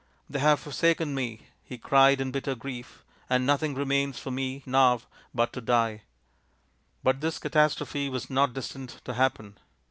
" They have forsaken me," he cried in bitter grief, " and nothing remains for me now but to die/' But this catastrophe was not destined to happen.